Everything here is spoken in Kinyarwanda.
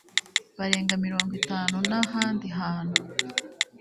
Barenga mirongo itanu n ahandi hantu